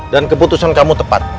dan keputusan kamu tepat